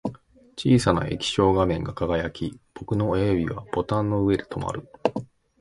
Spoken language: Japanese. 小さな液晶画面が輝き、僕の親指はボタンの上で止まる